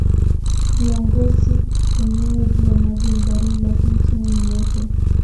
Ziwa Ngosi lenyewe juu maji ni baridi lakini chini ni moto